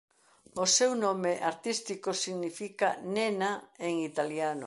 O seu nome artístico significa "nena" en italiano.